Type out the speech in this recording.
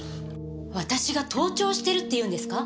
私が盗聴してるっていうんですか！？